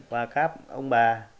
và các ông bà